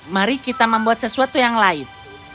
mari kita membuat sesuatu yang lain